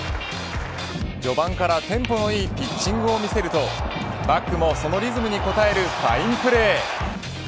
序盤からテンポのいいピッチングを見せるとバックもそのリズムに応えるファインプレー。